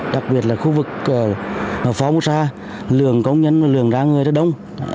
đặc biệt là khu vực phong sa lường công nhân và lường ra người rất đông